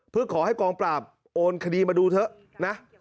เพื่อขอให้กองปราบโอนคดีมาดูเถอะนะ